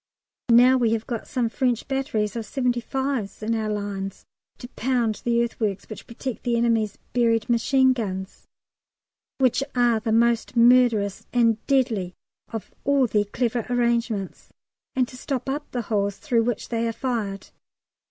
Now we have got some French batteries of 75's in our lines to pound the earthworks which protect the enemy's buried machine guns, which are the most murderous and deadly of all their clever arrangements, and to stop up the holes through which they are fired.